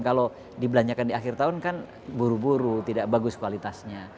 kalau dibelanjakan di akhir tahun kan buru buru tidak bagus kualitasnya